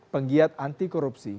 penggiat anti korupsi